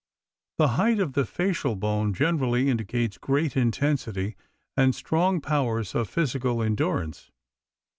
The height of the facial bone generally indicates great intensity and strong powers of physical endurance.